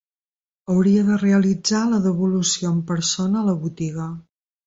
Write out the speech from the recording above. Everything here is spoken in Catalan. Hauria de realitzar la devolució en persona a la botiga.